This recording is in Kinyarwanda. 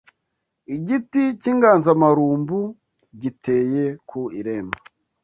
Igiti k’inganzamarumbu giteye ku irembo